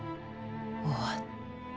終わった。